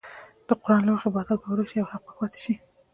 د قران له مخې باطل به ورک شي او حق به پاتې شي.